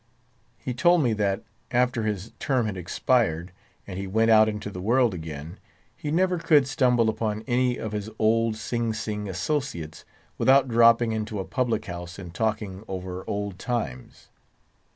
He told me that, after his term had expired, and he went out into the world again, he never could stumble upon any of his old Sing Sing associates without dropping into a public house and talking over old times.